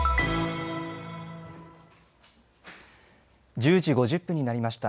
１０時５０分になりました。